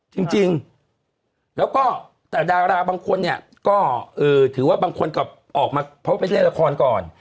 จริงแล้วก็แต่ดาราบางคนเนี่ยก็ถือว่าบางคนก็ออกมาเพราะว่าไปเล่นละครก่อน